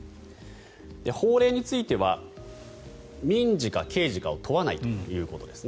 法令については民事か刑事かを問わないということです。